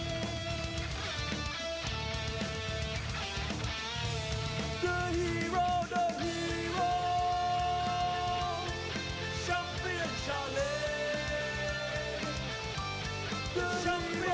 เอาละครับหมดยกที่๒ครับ